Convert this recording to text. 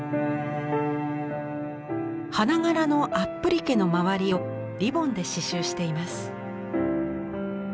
花柄のアップリケの周りをリボンで刺しゅうしています。